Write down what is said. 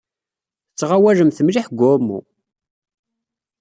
Tettɣawalemt mliḥ deg uɛumu.